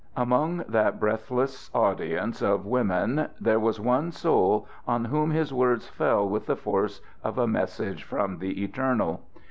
Among that breathless audience of women there was one soul on whom his words fell with the force of a message from the Eternal.